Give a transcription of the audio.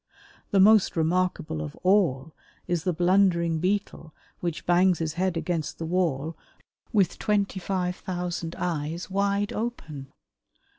The most remarkable of all is the blundering Beetle which bangs his head against the wall with twenty five thousand eyes wide open.